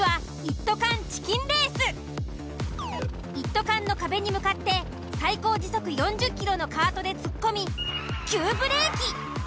一斗缶の壁に向かって最高時速４０キロのカートで突っ込み急ブレーキ。